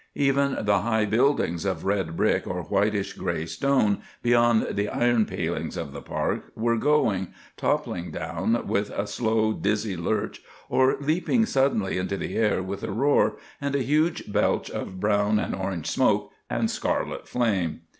Even the high buildings of red brick or whitish grey stone, beyond the iron palings of the park, were going, toppling down with a slow, dizzy lurch, or leaping suddenly into the air with a roar and a huge belch of brown and orange smoke and scarlet flame.